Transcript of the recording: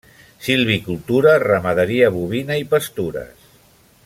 Silvicultura, ramaderia bovina i pastures.